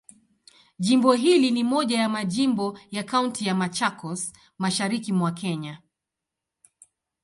Jimbo hili ni moja ya majimbo ya Kaunti ya Machakos, Mashariki mwa Kenya.